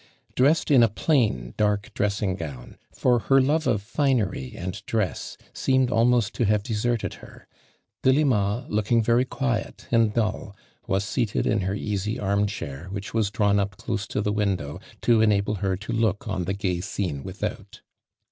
Dressed in a plain, dark dressing gown, for her love of finery and dress seemed almost to have deserted her, Delima looking very quiet and dull was seated in her easy arm chair which was drawn up close to the window to enable her to look on the gay scene without.